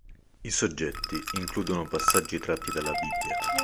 I soggetti includono passaggi tratti dalla Bibbia.